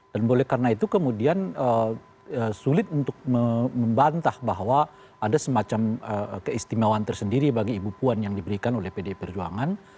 dan boleh karena itu kemudian sulit untuk membantah bahwa ada semacam keistimewaan tersendiri bagi ibu puan yang diberikan oleh pdi perjuangan